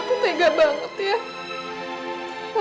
abah tuh tega banget ya